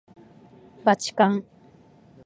ばちかん